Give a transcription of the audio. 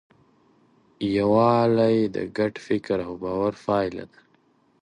یووالی د ګډ فکر او باور پایله ده.